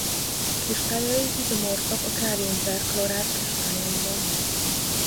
Kristályai izomorfak a kálium-perklorát kristályaival.